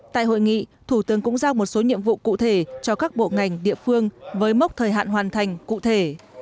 tại hội nghị thủ tướng cũng giao một số nhiệm vụ cụ thể cho các bộ ngành địa phương với mốc thời hạn hoàn thành cụ thể